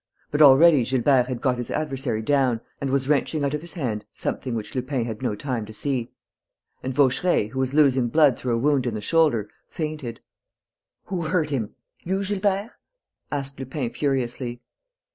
But already Gilbert had got his adversary down and was wrenching out of his hand something which Lupin had no time to see. And Vaucheray, who was losing blood through a wound in the shoulder, fainted. "Who hurt him? You, Gilbert?" asked Lupin, furiously.